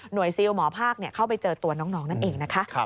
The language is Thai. ซิลหมอภาคเข้าไปเจอตัวน้องนั่นเองนะคะ